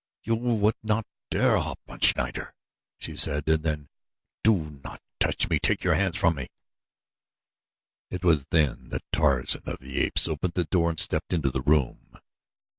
"You would not dare, Hauptmann Schneider," she said, and then: "Do not touch me! Take your hands from me!" It was then that Tarzan of the Apes opened the door and stepped into the room.